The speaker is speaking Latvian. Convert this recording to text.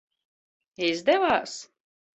Izdevās?